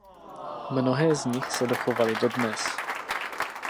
Mnohé z nich se dochovaly dodnes.